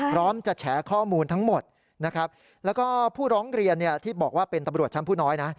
พร้อมจะแฉข้อมูลทั้งหมดนะครับแล้วก็ผู้ร้องเรียนที่บอกว่าเป็นตำรวจชั้นผู้น้อยนะ